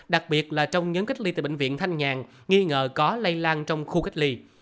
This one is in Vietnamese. đặc biệt là trong nhóm cách ly tại bệnh viện thanh nhàn nghi ngờ có lây lan trong khu cách ly